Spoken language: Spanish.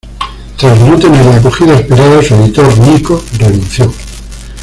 Tras no tener la acogida esperada, su editor Niko, renunció.